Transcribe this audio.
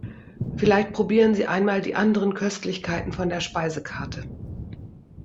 Vielleicht probieren Sie einmal die anderen Köstlichkeiten von der Speisekarte.